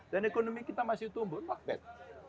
dan ekonomi kita masih tumbuh not bad